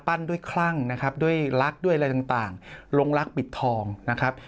ด้วยคลั่งนะครับด้วยรักด้วยอะไรต่างลงรักปิดทองนะครับ